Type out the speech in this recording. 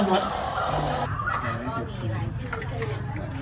ก่อนที่จะพันเลือกตั้งนะครับ